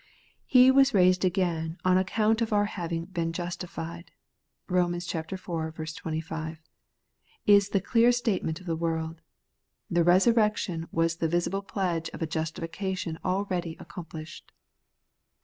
' He was raised again on account of our having been justified ' (Rom. iv. 25) is the clear statement of the word. The resurrection was the visible pledge of a justification already accomplished.